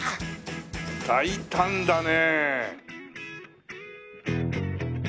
大胆だね。